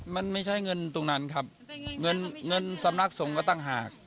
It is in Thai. มันไม่ใช่เงินตรงนั้นครับเงินเงินสำนักสงฆ์ก็ต่างหาก